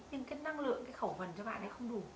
nhưng cái năng lượng cái khẩu vần cho bạn ấy không đủ